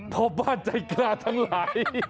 พ่อบ้านใจกล้าทั้งหลาย